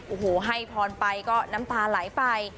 โอ้โหให้พรไปก็น้ำตาไหลไป